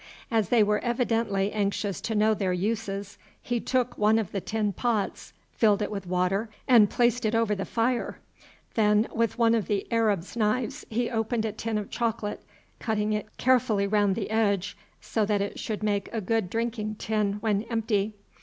As they were evidently anxious to know their uses, he took one of the tin pots, filled it with water, and placed it over the fire. Then with one of the Arabs' knives he opened a tin of chocolate, cutting it carefully round the edge so that it should make a good drinking tin when empty.